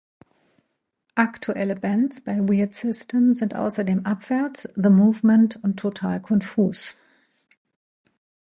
Aktuelle Bands bei Weird System sind außerdem Abwärts, The Movement und Total Konfus.